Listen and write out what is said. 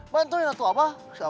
bantuin lah tuh apa